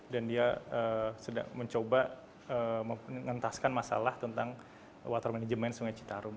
dan dia sedang mencoba mengentaskan masalah tentang water management sungai citarum